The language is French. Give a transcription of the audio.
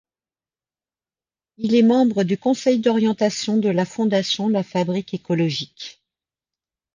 Il est membre du conseil d’orientation de la fondation La Fabrique écologique.